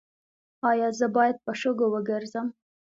ایا زه باید په شګو وګرځم؟